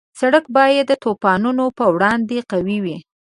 سړک باید د طوفانونو په وړاندې قوي وي.